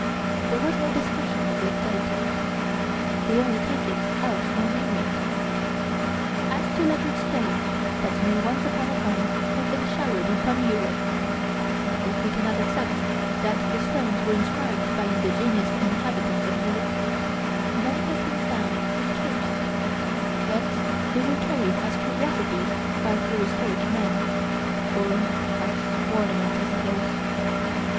There was no discussion of this datum. We only take it out for an airing. As to lettered stones that may once upon a time have been showered upon Europe, if we cannot accept that the stones were inscribed by indigenous inhabitants of Europe, many have been found in caves whence they were carried as curiosities by prehistoric men, or as ornaments, I suppose.